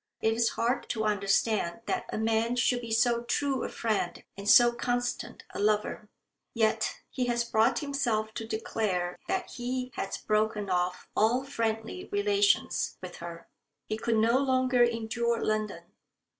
It is hard to understand that a man should be so true a friend and so constant a lover. Yet he has brought himself to declare that he has broken off all friendly relations with her. He could no longer endure London.